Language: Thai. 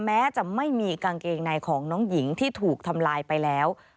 แม้จะไม่มีกางเกงในของน้องหญิงที่ถูกทำลายไปแล้ว